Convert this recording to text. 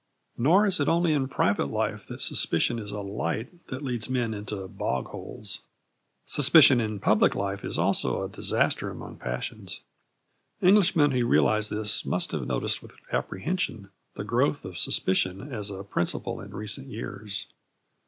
Nor is it only in private life that suspicion is a light that leads men into bog holes. Suspicion in public life is also a disaster among passions. Englishmen who realise this must have noticed with apprehension the growth of suspicion as a principle in recent years.